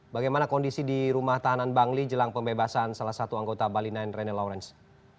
bagaimana kondisi di rumah tahanan bangli jelang pembebasan salah satu anggota bali sembilan rene lawrence